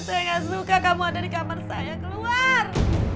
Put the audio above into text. saya gak suka kamu ada di kamar saya keluar